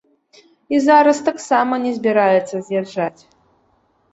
І зараз таксама не збіраецца з'язджаць.